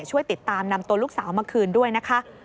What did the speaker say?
ช่วยติดตามนำตัวลูกสาวมาคืนด้วยนะคะ